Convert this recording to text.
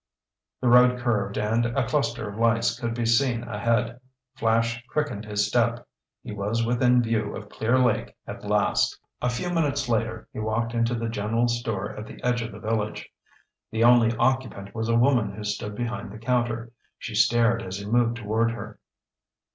The road curved and a cluster of lights could be seen ahead. Flash quickened his step. He was within view of Clear Lake at last. A few minutes later he walked into the general store at the edge of the village. The only occupant was a woman who stood behind the counter. She stared as he moved toward her.